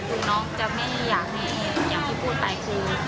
คุณ้องไม่อยากให้อย่างที่พูดไปคุณ